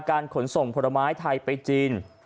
ขนส่งผลไม้ไทยไปจีน